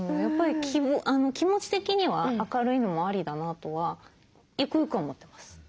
やっぱり気持ち的には明るいのもありだなとはゆくゆくは思ってます。